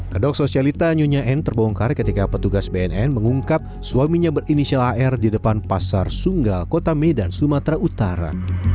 kedok sosialita nyonya n terbongkar ketika petugas bnn mengungkap suaminya berinisial ar di depan pasar sunggal kota medan sumatera utara